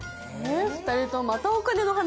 ２人ともまたお金の話？